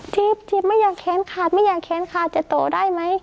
จิบจิบไม่อยากเค้นขาดไม่อยากเค้นขาดจะโตได้ไหม